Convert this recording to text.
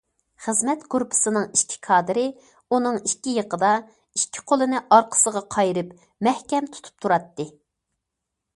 خىزمەت گۇرۇپپىسىنىڭ ئىككى كادىرى ئۇنىڭ ئىككى يېقىدا ئىككى قولىنى ئارقىسىغا قايرىپ مەھكەم تۇتۇپ تۇراتتى.